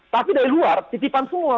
tapi dari luar titipan semua